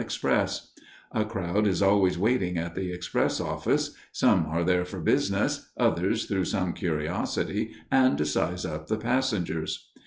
express. A crowd is always waiting at the express office; some are there for business, others through some curiosity and to size up the passengers.